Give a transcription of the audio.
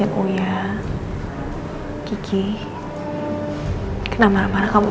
aku gak bisa ketemu mama lagi